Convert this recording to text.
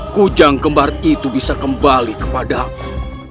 kujang kembar itu bisa kembali kepadaku